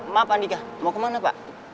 maaf andika mau kemana pak